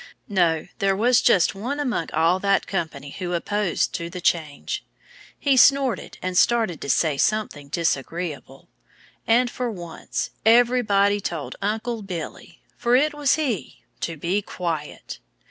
No! There was just one among all the company that was opposed to the change. He snorted and started to say something disagreeable. And for once everybody told Uncle Billy (for it was he!) to be quiet.